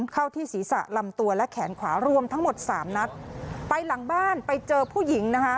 เข้าที่ศีรษะลำตัวและแขนขวารวมทั้งหมดสามนัดไปหลังบ้านไปเจอผู้หญิงนะคะ